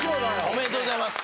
おめでとうございます！